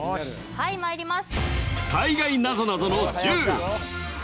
はいまいります